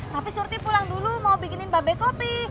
tapi surti pulang dulu mau bikinin babe kopi